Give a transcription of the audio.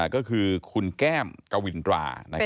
ก็คือคุณแก้มกวินตรานะครับ